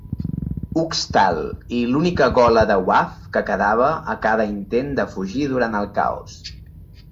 Uxtal i l'única ghola de Waff que quedava a cada intent de fugir durant el caos.